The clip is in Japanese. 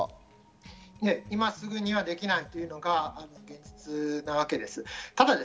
今すぐにはできないというのが現実なわけです。